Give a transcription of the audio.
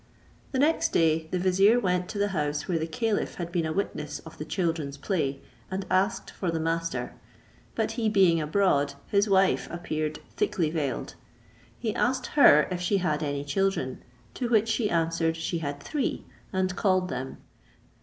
The next day the vizier went to the house where the caliph had been a witness of the children's play, and asked for the master; but he being abroad, his wife appeared thickly veiled. He asked her if she had any children. To which she answered, she had three; and called them.